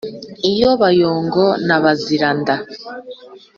iya bayongo na baziranda